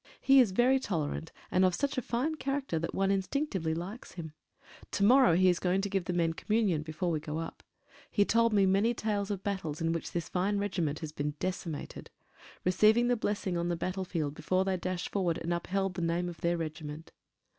He is very tolerant, and of such a fine character that one instinctively likes him. To morrow he is going to give the men Communion, before we go up. He told me many tales of battles in which this fine regiment has been decimated; receiving the blessing on the battlefield before they dashed forward and upheld the name of their regiment.